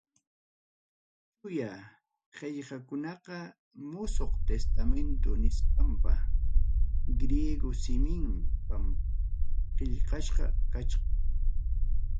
Chuya qillqakunaqa musuq testamento nisqapa, griego simipim qillqasqa kachkan.